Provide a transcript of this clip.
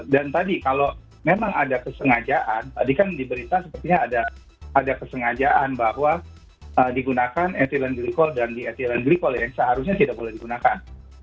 dan tadi kalau memang ada kesengajaan tadi kan diberikan sepertinya ada kesengajaan bahwa digunakan ethylene glycol dan diethylene glycol yang seharusnya tidak boleh digunakan